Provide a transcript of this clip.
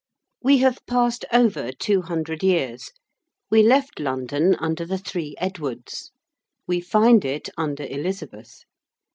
We have passed over two hundred years. We left London under the Three Edwards. We find it under Elizabeth.